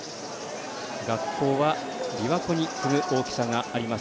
学校は琵琶湖に次ぐ大きさがあります